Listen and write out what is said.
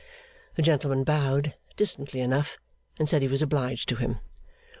The gentleman bowed, distantly enough, and said he was obliged to him.